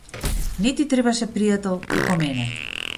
Не ти требаше пријател како мене.